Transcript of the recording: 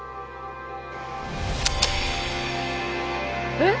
えっ！